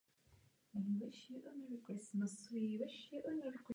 V týmu setrval až do konce své kariéry.